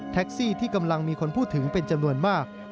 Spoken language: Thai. ที่กำลังมีคนพูดถึงเป็นจำนวนมาก